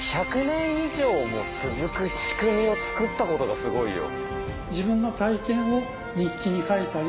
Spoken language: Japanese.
１００年以上も続く仕組みを作ったことがすごいよ。